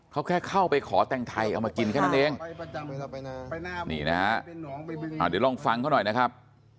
เขาแค่เข้าไปขอแต่งไทยเอามากินแค่นั้นเองนี่นะฮะเดี๋ยวลองฟังเขาหน่อยนะครับ